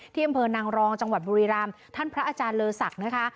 ที่เย็นเผอนังรองจังหวัดบุรีรามท่านพระอาจารย์เลอร์สักนะคะ